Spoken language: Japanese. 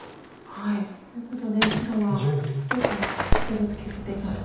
ということで白はツケからちょっとずつ削っていきました。